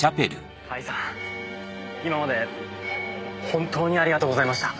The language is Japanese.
今まで本当にありがとうございました。